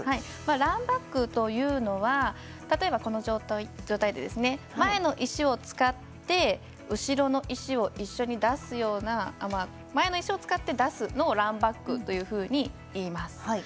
ランバックというのは例えばこの状態で前の石を使って後ろの石を一緒に出すような前の石を使って出すのをランバックというふうに言います。